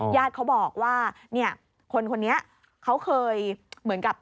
ญาติเขาบอกว่าคนนี้เขาเคยเหมือนกับ